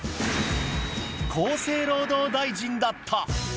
厚生労働大臣だった！